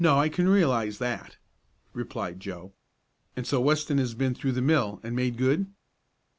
"No, I can realize that," replied Joe. "And so Weston has been through the mill, and made good?"